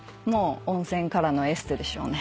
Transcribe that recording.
温泉からのエステでしょうね。